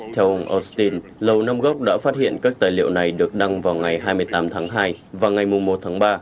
theo ông austin lầu năm góc đã phát hiện các tài liệu này được đăng vào ngày hai mươi tám tháng hai và ngày một tháng ba